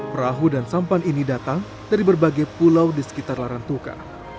perahu dan sampan ini datang dari berbagai pulau di sekitar larantuka